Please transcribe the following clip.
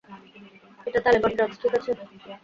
এটা তালেবান ড্রাগস, ঠিক আছে?